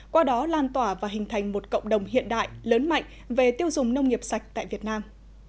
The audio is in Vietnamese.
qua đó lan tỏa và hình thành một cộng đồng hiện đại lớn mạnh về tiêu dùng nông nghiệp sạch tại việt nam